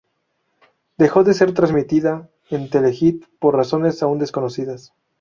Dejó de ser transmitida en Telehit por razones aún desconocidas.